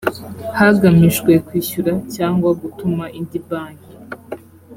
hagamijwe kwishyura cyangwa gutuma indi banki